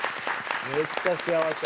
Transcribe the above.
めっちゃ幸せ。